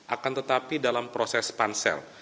akan tetapi dalam proses pansel